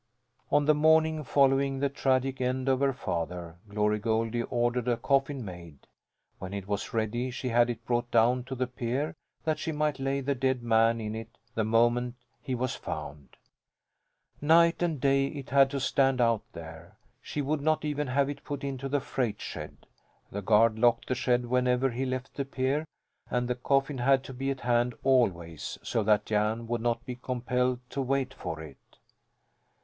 On the morning following the tragic end of her father Glory Goldie ordered a coffin made. When it was ready she had it brought down to the pier, that she might lay the dead man in it the moment he was found. Night and day it had to stand out there. She would not even have it put into the freight shed. The guard locked the shed whenever he left the pier, and the coffin had to be at hand always so that Jan would not be compelled to wait for it.